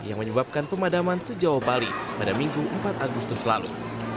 yang menyebabkan pemadaman sejauh bali pada minggu empat agustus lalu